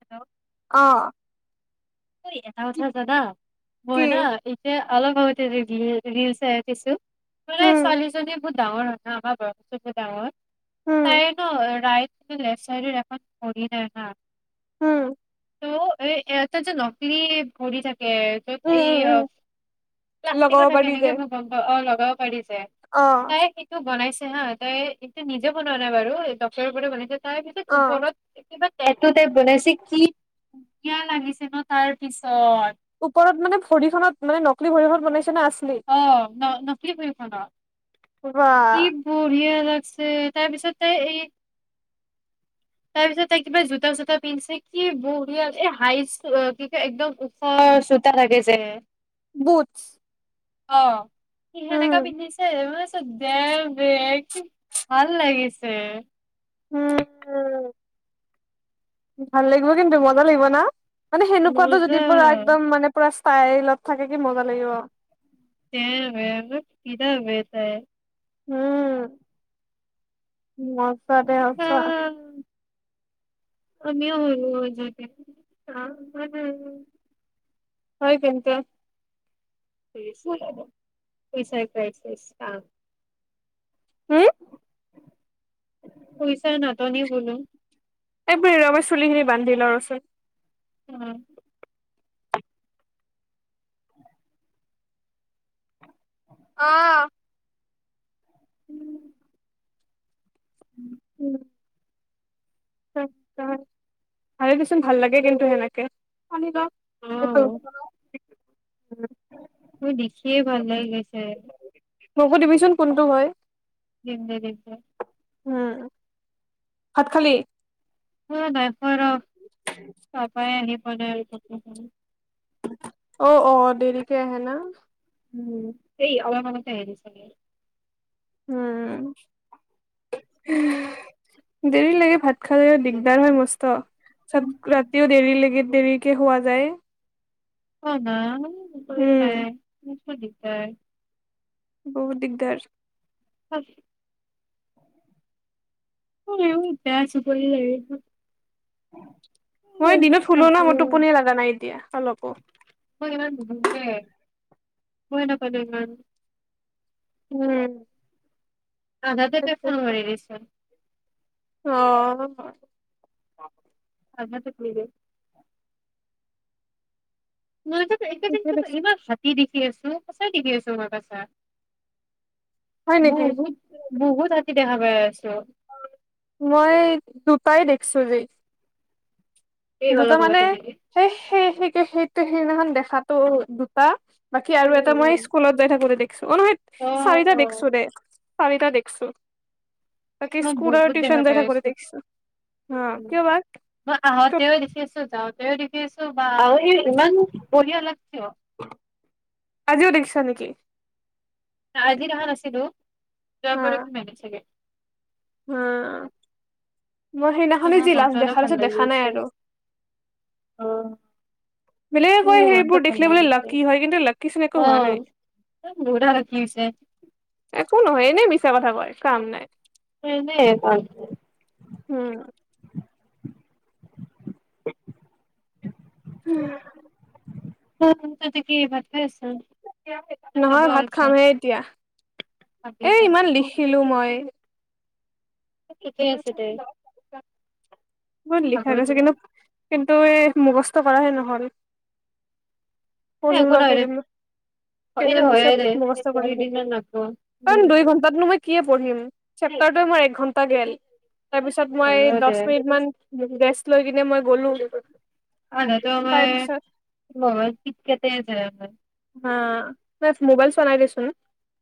Hello. অহ। ঐ, এটা কথা জানা কি মই না এই যে অলপ আগতে [unintelligible] ৰীল চাই উঠিছোঁ। [unintelligible] উম, ছোৱালীজনী বহুত ডাঙৰ হয় হা আমাৰ বয়সতকৈ ডাঙৰ। উম, [unintelligible] ৰাইট এই লেফ্ট চাইদে [unintelligible] যায় হা। উম। অ', এ এয়া তাজে লগ তুমি পঢ়ি থাক তে ত'ত উম, এই উম, অ উম, প্লাষ্টিকো লগাব থাকে পাৰি যে। এনেকে মই গম পাওঁ। অ', পাৰি। তে অ', তাই সেইটো বনাইছে। হা তাই এইটো নিজে বনোৱা নাই বাৰু, ডক্টৰৰ পৰা বনাইছে। তাৰ পিছত অ', ওপৰত কিবা এইটো তাই বনাইছে কি কিয়া লাগিছে ন? তাৰ পিছত ওপৰত মানে ভৰি খত মানে নককলি ভৰিখন বনাইছে? নকলি নে আছলি? [unintelligible] বা। কি বঢ়িয়া। [inaudible] আছে তাৰপিছত তাই এটা তাৰ পিছত তাই কিবা জোতা চোতা পিন্ধছে কি বঢ়িয়া এ [unintelligible] কি কয় একদম উখ জোতা লাগে যে। বুটচ? অ', স সেনেকা পিন্ধিছে মানে [unintelligible] ভাল লাগিছে। উম, ভাল লাগিব কিন্তু মজা লাগিব ন? মানে সেনেকুৱাতটো মজা যদি পুৰা একদম মানে পুৰা তাইৰ লগত থাকে কি মজা লাগিব। [unintelligible] উম উ মছা দে আছা আহ আমিও যদি [unintelligible] হয় কিন্তু [unintelligible] [unintelligible] হম পইচা নাটনি বোলো। এক মিনিট ৰবা, চুলিখিনি বান্ধি লওঁ ৰচোন। উম। অ'। [unintelligible] [unintelligible] ভালে দেচোন, ভাল লাগে কিন্তু সেনেকে [unintelligible] সেইটো [unintelligible] কি ভাল লাগি গৈছে মোকো দিবিচোন, কোনটো হয় [unintelligible] উম, ভাত খালি? উ, নাই [unintelligible] বনাই থাকোঁ অ', অ', দেৰিকে আহে না? উম, এই অলপ আগতে আহি গৈছেহি উম! দেৰি লাগে, ভাত খালে দিগদাৰ হয় মস্ত। চব ৰাতিও দেৰি লাগে দেৰিকে সুৱা যায়। অ! নাই একোয়ে নাই। উম বৰ দিগদাৰ। বহুত দিগদাৰ। তয়াছ কৰি ল [inaudible] মই দিনত শুলোঁ ন, মোৰ টোপনি লাগা নাই এতিয়া অলপো। কই নাপ দে মমান [inaudible] উম! ! আধাতে তাই ফোন মাৰি দিছে। অ'। [unintelligible] মইজ একে যেিন ঠিকে কি দেচোন ক্ষতি দিছ [inaudible] তিকি আছো, সঁচাই তিকি আছো ম পচা। হয় নেকি বহুত, বহুত আ কেতিয়া, ভাৱে মই দুটাই দেখ চজি এই দুটা অলপ মানে আগতে নেকি সেই-সেই-সেই-সেই সেইদিনাখন দেখাতো দুটা বাকী আৰু এটা উম মই উম স্কুলত যাই থাকোতে দেখিছো অ', নহয় চাৰিটা অ', দেখছো দে। চাৰিটা দেখছো। বাকি মই স্কুল আৰু বহুত টিউশন দেখা যাই পাই থাকোতে আছো। দেখছো, হম, উম, কিয় বা? [unintelligible] [unintelligible] দেখি আছো বা [unintelligible] ইমান বঢ়িয়া লাগছি। আজিও দেখিছা নেকি আজি অহা নাছিলো [unintelligible] চাগে। উম। মই ত' সেইদিনাখনে মোৰ যি মনটো লাষ্ট অলপ দেখা ভাল পাইছো লাগি দেখা নাই গৈছে। আৰু। অ', বেলেগে কয় মনটো সেইবোৰ ভাল দেখিলে বোলে লাগিছে লাকি হয় কিন্তু লাকি চোন একো হোৱা নাই অ', [unintelligible] কো নহয় এনেই মিছা কথা কয়, কাম নাই। উম [unintelligible] উম। [unintelligible] নে খাব নহয় ভাত হৈছে? খামহে এতিয়া। এ ইমান লিখিলো মই। [inaudible] ঠিকে আছে দে, বত খাব লিখা গৈছে যোৱা। কিন্তু কিন্তু এই মুখস্থ কৰাহে নহ'ল। এ পঢ়িম একো ৰ' নহয় দে, কেইদিনমান এইটো কেইদিনমান হয়ে দে, পিছত মুগস্থ কৰিম দুইদিনমান লাগব। উম, কাৰণ দুই ঘন্টাতনো মই কি পঢ়িম চেপ্তাৰটোৱে মোৰ এক ঘণ্টা গেল। তাৰপিছত মই হয়ও দে। দহ মিনিট মান ৰেষ্ট লৈ কিনে মই গ'লো। আ নো তেওঁ তাৰ মই পিছত [unintelligible] তে [unintelligible] হা তাই মোবাইল চোৱা নাই দেচোন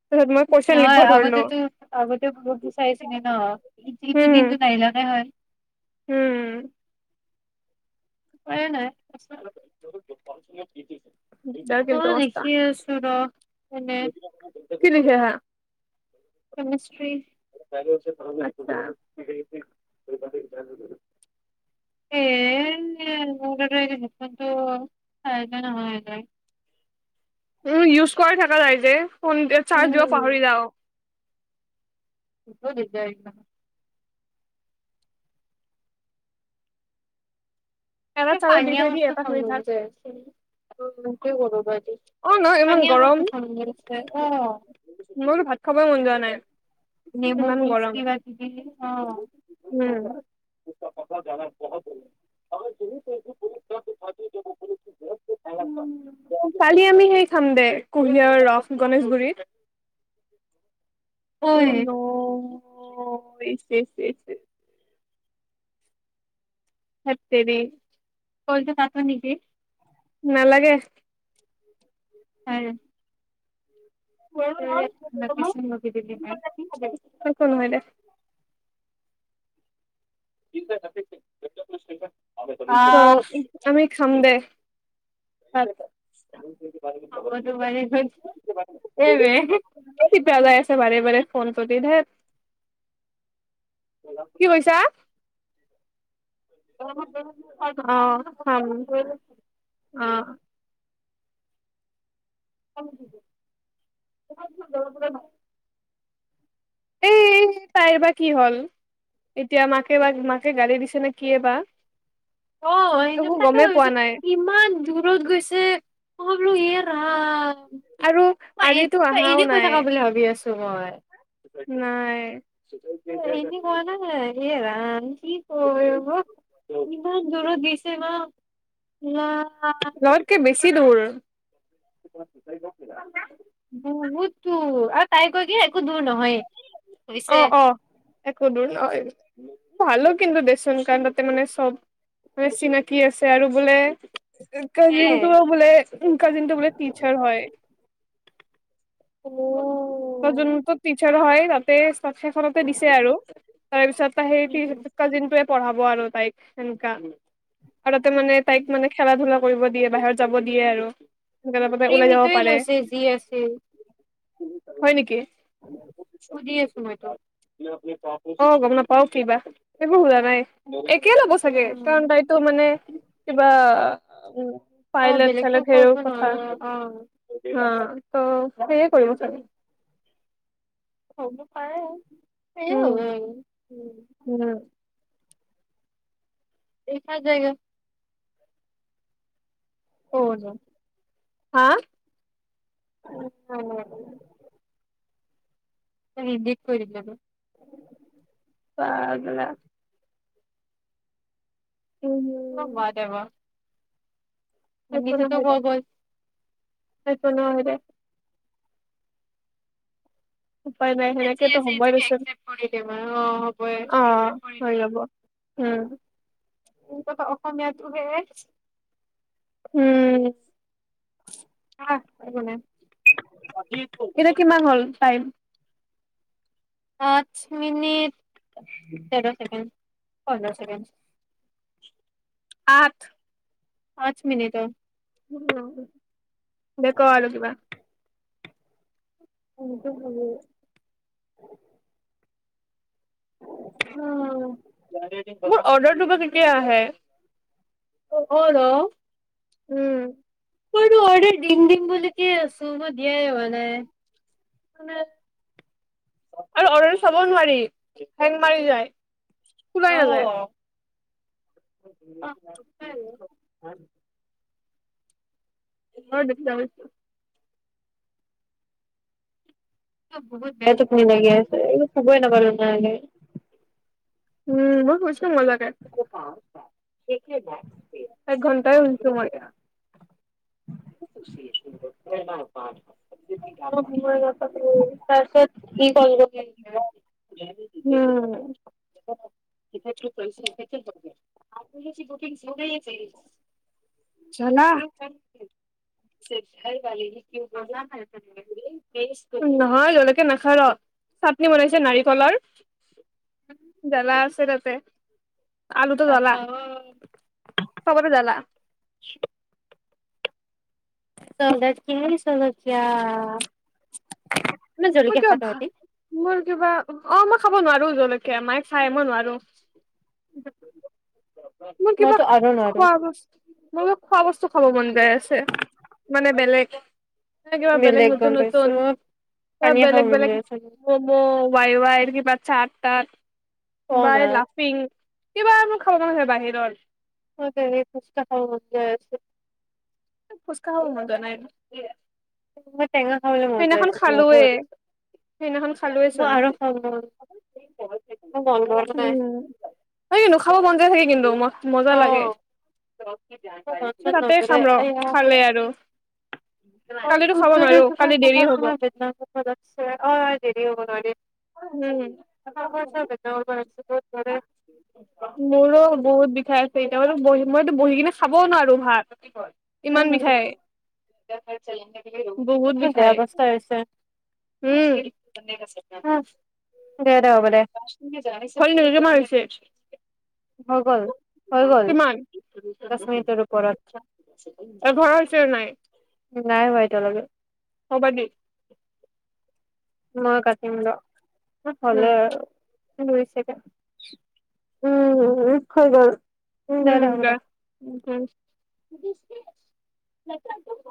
তাৰপিছত মই কুৱেশন লিখিব নহয় ধৰিলো আগতেটো আগতেও [unintelligible] বিচাৰিছিলে ন ইটো উম দিনটো নাহিলাকে হয় উম! [unintelligible] নাই আচ [unintelligible] অ, কিন্তু মস্ত দেখিয়ে আছো ৰ, এনে। [unintelligible] কেমেষ্ট্ৰি। [inaudible] [unintelligible] হয়নে নহয় গে। ইউ-ইউজ কৰি থাকা নাই যে। ফোন চাৰ্জ দিব উম পাহৰি যাওঁ। [unintelligible] [unintelligible] এটা [unintelligible] চাৰ্জত দি থৈ দি এটা শুনি থাক অ নহয় ইমান পনীয়া ভাত গৰম [inaudible] অ, মই বোলো ভাত খাবই মন যোৱা নাই নেমু ইমান জুছ গৰম কিবা কিবি অ, হয়, হয়। উম [inaudible] [inaudible] আমি উম সেই খাম দে, কুঁহিয়াৰ ৰস গণেশগুৰিত। ঐ অন। অ', [inaudible] হেত তেৰি। কলটো কাটো নেকি। নালাগে। আৰু। [inaudible] একো নহয় দে। [inaudible] আহ [unintelligible] আমি খামদে। [unintelligible] এ বে। টিপা যাই আছে বাৰে বাৰে ফোন প্ৰতি ধেৎ। কি কৈছা। [unintelligible] [inaudible] অ, [inaudible] অ। [unintelligible] [unintelligible] নাই এ, তাইৰ বা কি হ'ল। এতিয়া মাকে বা মাকে গালি দিছে নেক অ', সেইটো একো তাকে গমেই পোৱা ভাবিছো নাই ইমান দূৰত গৈছে, মই বলো ইয়াৰ আৰু এ, আজিতো তই আহাও এনেকৈ নাই থাকা বুলি ভাবি আছো মই। নাই। এনি কৰা নাই [unintelligible] অ' কি ক ইমান দূৰ দিছেে ম! না লকে বেছি কি দূৰ? [unintelligible] বুহুত দূৰ। আৰু তাই কই কি একো দূৰ নহয়েই। অ', অ'। একো দূৰ নয় [inaudible] ভালো কিন্তু দেচোন কাৰণ তাতে মানে চব মানে চিনাকি আছে আৰু বোলে হে কাজিন টো বোলে, কাজিন টো বোলে টিচাৰ হয়। অ [inaudible] কাজনটো টিচাৰ হয়। তাতে সেইখনতে দিছে আৰু, তাৰ পিছতে সেই উ কাজিনটোয়ে পঢ়াব আৰু। পাইপ সেনকা ঘৰতে মানে তাইক মানে খেলা ধূলা কৰিব দিয়ে বাহিৰত যাব দিয়ে আৰু। সেনেকে তাতে ওলাই ক্ৰীম যাব সিটোয়ে পাৰে লৈছে যি আছে। হয় নেকি? [unintelligible] [unintelligible] অ', গম নাপাওঁ কি বা? একো শুনা নাই। কে ল'ব চাগে উম, কাৰণ তাইতো মানে, কিবা উম। অ পাইলেট বেলেগতো চাইলেট হেও কৰিব কথা। নোৱাৰে অ অ'। ত সেয়ে কৰিব চাগে। [unintelligible] পাৰে। উম [unintelligible] উম দেখা যায়েগা। অ', ন হা? [unintelligible] [unintelligible] [unintelligible] উম [unintelligible] [unintelligible] ভাত বনাওহে দে উপায় নাই যি সেনেকেতো আছে হ'বই সেটোকে দেচোন একচেপ কৰি দিওঁ, অ', হ'বই অ' একচেপ কৰি হৈ দিওঁ। যাব। উম [unintelligible] অসমীয়া তোহে। উম। আহ, একো নাই। এতিয়া কিমান হ'ল টাইম? পাঁচ মিনিট, তেৰ চেকেণ্ড, পন্ধৰ ছেকেণ্ড। আঠ। পাঁচ মিনিটৰ। দে ক' আৰু কিবা। [unintelligible] অ'। মোৰ অৰ্ডাৰটো বা কেতিয়া আহে? [inaudible] উম। মই এইটো অৰ্ডাৰ দিম, দিম বুলিতেই আছো বাত বিয়াই হোৱা নাই [unintelligible] আৰু অৰ্ডাৰ চাব নোৱাৰি, হেং মাৰি যায়। খোলাই নাযায় অ'। [unintelligible] [unintelligible] বহুত বেয়া টোপনি লাগি আছে, এইবোৰ শুবৈ নাপালোঁ [unintelligible] উম, মই শুইছো মজাকে। [unintelligible] এক ঘণ্টাই শুইছো মই। [inaudible] [inaudible] [unintelligible] উম'। [unintelligible] জ্বলা। [inaudible] [unintelligible] নহয় জলকীয়া নাখা ৰ। চাটনি বনাইছে নাৰিকলৰ। জ্বালা আছে তাতে। আলুটো জ্বলা। চবতে জালা। [inaudible] মোৰ কিবা খা ভা, তহঁতি মোৰ কিবা অ, ম খাব নোৱাৰো জলকীয়া মাই খায় মই নোৱাৰো। মোৰ কিবা মইতো আৰু নোৱাৰো খোৱা বস্তু্, মোৰ খোৱা বস্তু খাব মন যায় আছে, মানে বেলেগ। না বেলেগ গম পাইছো। এ পানীয়ে খাব বেলেগ মন বেলেগ যায় আছে মোৰ। ম'ম' ৱাই-ৱাইৰ কিবা চাট-তাট কওঁ না হোৱাই লাফিং? কিবা মোৰ খাব মন আছে বাহিৰৰ। অঁ, পেহি ফুচকা খাব মন যায় আছে। ফুচকা খাব মন যোৱা নাই। [unintelligible] মন যায় সেইদিনাখন আছে খালোয়ে। বহুত সেইদিনাখন খালোয়ে মই চোন। আৰু খাব মন উম, হয় কিন্তু খাব মন যায় থাকে কিন্তু মজ মজা লাগে। এ তাতে খাম ৰ, খালে আৰু। কালিটো খাব নোৱাৰো। দেৰি হ'ব কোমৰ-চমৰে বেদনা কৰবা লাগছে, অয় দেৰি হ'ব না। হয় দে হুহম, মোৰো বহুত বিষায়। সেই টেবলত বহি মইতো বহি কিনে খাবও নোৱাৰোঁ ভাত ইমান বিষাই। [unintelligible] বহুত উ বেয়া বিষায় অৱস্থা হৈছে হম্ দে দে হ'ব দে [unintelligible] হৈ গল-হৈ গল কিমান দশ মিনিটৰ ওপৰত, এঘাৰ হৈছে নাই নাই হোৱা এতিয়ালৈকে। হবা দি। মই কাতিম ৰ। উম হ'লে আৰু। দুই ছেকেণ্ড, উম হৈ গ'ল। উম উম দে উম। [unintelligible]